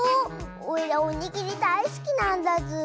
おいらおにぎりだいすきなんだズー。